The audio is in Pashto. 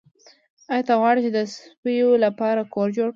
ایا ته غواړې چې د سپیو لپاره کور جوړ کړې